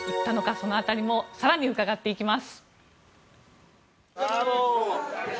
その辺りも更に伺っていきます。